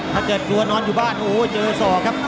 ถ้าเกิดกลัวนอนอยู่บ้านโอ้โหเจอศอกครับ